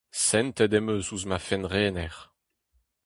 Sentet em eus ouzh va fennrener.